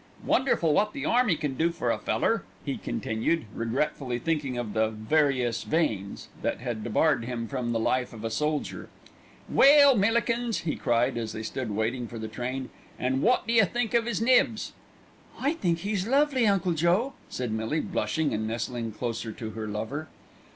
Wonderful wot the army can do for a feller," he continued, regretfully thinking of the "various veins" that had debarred him from the life of a soldier. "Well, Millikins!" he cried, as they stood waiting for the train, "an' wot d'you think of 'is Nibs?" "I think he's lovely, Uncle Joe!" said Millie, blushing and nestling closer to her lover.